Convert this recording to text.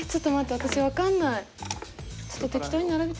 私分かんない。